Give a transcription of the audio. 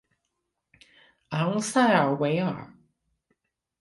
昂塞尔维尔。